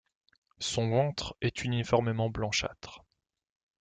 Son ventre est uniformément blanchâtre.